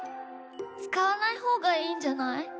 つかわないほうがいいんじゃない？